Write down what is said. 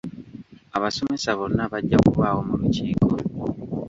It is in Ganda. Abasomesa bonna bajja kubaawo mu lukiiko.